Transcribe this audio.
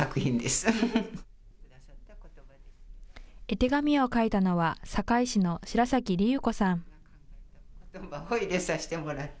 絵手紙を描いたのは坂井市の白崎リユ子さん。